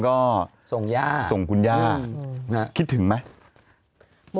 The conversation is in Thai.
ก็ส่งคุณย่าคิดถึงไหม